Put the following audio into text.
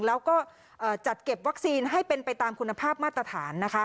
แล้วก็จัดเก็บวัคซีนให้เป็นไปตามคุณภาพมาตรฐาน